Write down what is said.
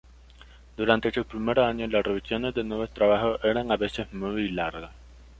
Durante sus primeros años, las revisiones de nuevos trabajos eran a veces muy largas.